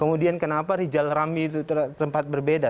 kemudian kenapa rijal ramli itu sempat berbeda